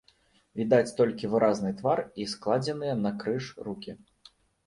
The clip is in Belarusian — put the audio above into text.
Відаць толькі выразны твар і складзеныя накрыж рукі.